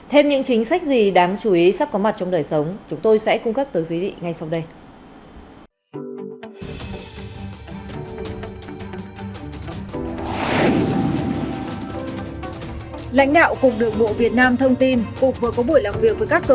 hẹn gặp lại các bạn trong những video tiếp theo